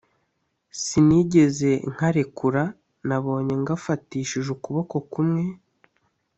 sinigeze nkarekura, nabonye ngafatishije ukuboko kumwe